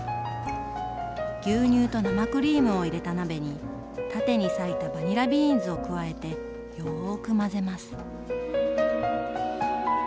牛乳と生クリームを入れた鍋に縦に割いたバニラビーンズを加えてよく混ぜます。